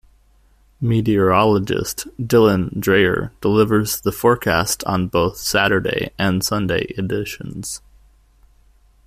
Meteorologist Dylan Dreyer delivers the forecast on both Saturday and Sunday editions.